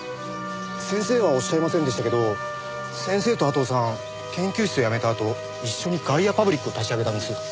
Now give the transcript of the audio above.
先生はおっしゃいませんでしたけど先生と阿藤さん研究室を辞めたあと一緒にガイアパブリックを立ち上げたんです。